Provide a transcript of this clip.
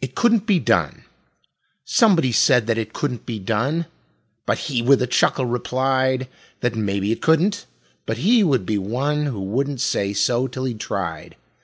It Couldn't Be Done Somebody said that it couldn't be done, But he with a chuckle replied That "maybe it couldn't," but he would be one Who wouldn't say so till he'd tried.